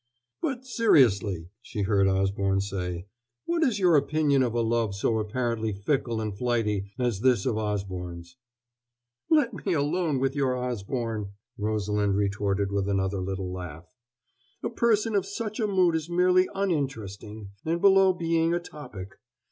"But seriously," she heard Osborne say, "what is your opinion of a love so apparently fickle and flighty as this of Osborne's?" "Let me alone with your Osborne," Rosalind retorted with another little laugh. "A person of such a mood is merely uninteresting, and below being a topic.